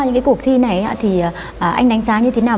những cái cuộc thi này thì anh đánh giá như thế nào